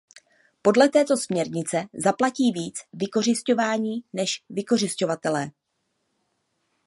Podle této směrnice zaplatí víc vykořisťovaní než vykořisťovatelé.